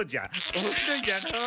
おもしろいじゃろう？